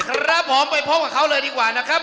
ครับผมไปพบกับเขาเลยดีกว่านะครับ